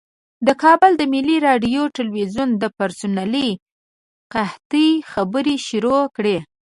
د کابل د ملي راډیو تلویزیون د پرسونلي قحطۍ خبرې شروع کړې.